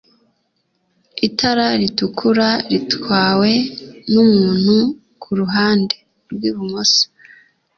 Itara ritukura ritwawe n’ umuntu kuruhande rw’ ibumoso